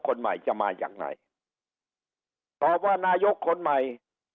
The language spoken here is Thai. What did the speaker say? คนใหม่จะมาจากไหนตอบว่านายกคนใหม่